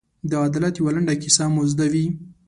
د عدالت یوه لنډه کیسه مو زده وي.